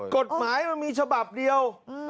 กฎหมายมันมีฉบับเดียว